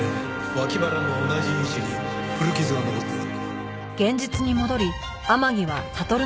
脇腹の同じ位置に古傷が残っていた。